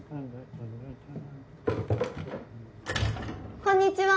こんにちは。